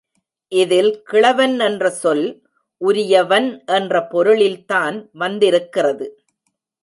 இதில் கிழவன் என்ற சொல் உரியவன் என்ற பொருளில்தான் வந்திருக்கிறது.